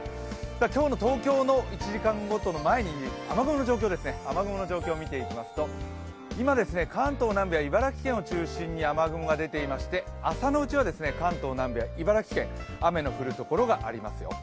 今日の東京の１時間ごとの前に雨雲の状況を見ていくと今、関東、茨城県を中心に雨雲が出ていまして朝のうちや関東南部や茨城県、雨の降るところがありますよ。